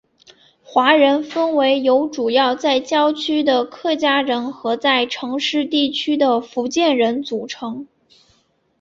华人分为由主要在郊区的客家人和在城市地区的福建人组成。